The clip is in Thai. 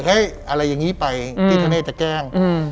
ให้อะไรอย่างงี้ไปอืมพี่ทะเนสจะแก้งอืม